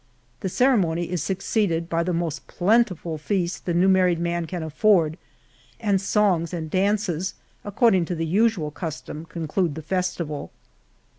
The ceremony is succeeded by the most plentiful feast the new married man can afford: and songs and dances, according to the usual custom conclude the festival.